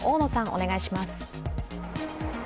お願いします。